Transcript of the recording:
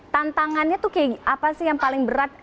tantangannya tuh kayak apa sih yang paling berat